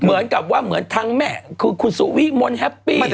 เหมือนกับว่าเหมือนทั้งแม่คือคุณสุวิมลแฮปปี้